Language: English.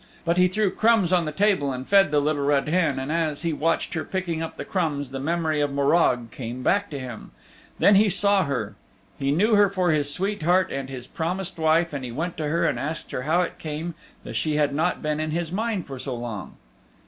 But he threw crumbs on the table and fed the Little Red Hen, and as he watched her picking up the crumbs the memory of Morag came back to him. Then he saw her. He knew her for his sweetheart and his promised wife and he went to her and asked her how it came that she had not been in his mind for so long.